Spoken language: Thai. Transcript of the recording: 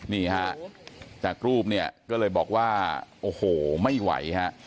นี่ฮะจากรูปเนี่ยก็เลยบอกว่าโอ้โหไม่ไหวฮะ